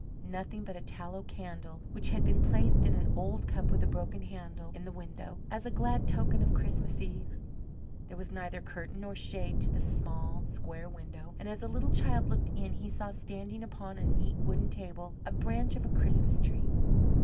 Nothing but a tallow candle which had been placed in an old cup with a broken handle, in the window, as a glad token of Christmas Eve. There was neither curtain nor shade to the small, square window and as the little child looked in he saw standing upon a neat wooden table a branch of a Christmas tree.